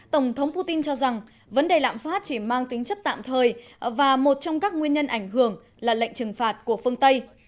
tổng thống putin cho rằng vấn đề lạm phát chỉ mang tính chất tạm thời và một trong các nguyên nhân ảnh hưởng là lệnh trừng phạt của phương tây